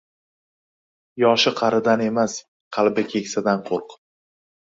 • Yoshi qaridan emas, qalbi keksadan qo‘rq.